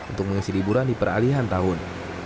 untuk mengisi liburan di peralihan tahun